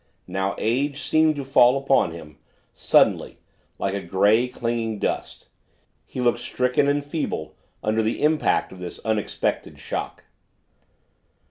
Now Age seemed to fall upon him, suddenly, like a gray, clinging dust he looked stricken and feeble under the impact of this unexpected shock.